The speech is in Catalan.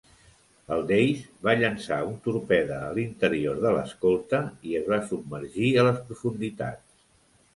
El "Dace" va llançar un torpede a l"interior de l"escolta i es va submergir a les profunditats.